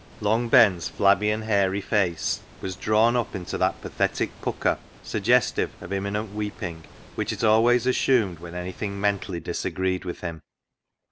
Long Ben's flabby and hairy face was drawn up into that pathetic pucker suggestive of imminent weep ing, which it always assumed when anything mentally disagreed with him.